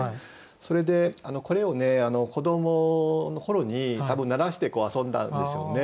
それでこれを子どもの頃に多分鳴らして遊んだんですよね。